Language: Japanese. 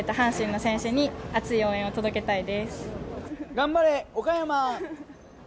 頑張れ、岡山！